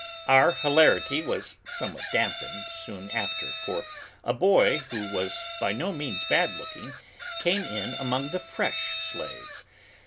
Our hilarity was somewhat dampened soon after, for a boy, who was by no means bad looking, came in among the fresh slaves.